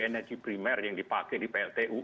energi primer yang dipakai di pltu